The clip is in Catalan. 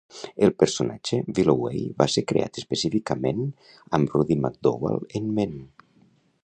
El personatge Willoway va ser creat específicament amb Roddy McDowall en ment.